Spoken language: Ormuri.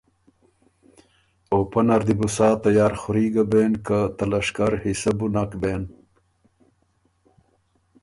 او پۀ نر دی بو سا تیارخوري ګه بېن که ته لشکر حصه بو نک بېن